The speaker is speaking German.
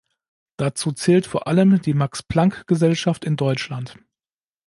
Dazu zählt vor allem die Max-Planck-Gesellschaft in Deutschland.